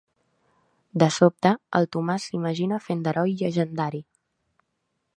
De sobte el Tomàs s'imagina fent d'heroi llegendari.